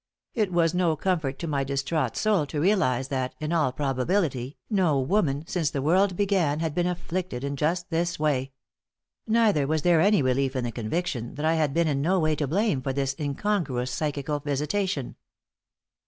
It was no comfort to my distraught soul to realize that, in all probability, no woman, since the world began, had been afflicted in just this way. Neither was there any relief in the conviction that I had been in no way to blame for this incongruous psychical visitation.